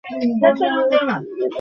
আমাকে এটা নিতে দাও, প্রিয়।